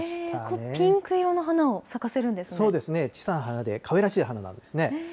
そう、ピンク色の花を咲かせるんでそうですね、小さい花で、かわいらしい花なんですね。